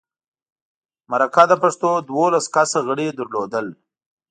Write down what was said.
مرکه د پښتو دولس کسه غړي درلودل.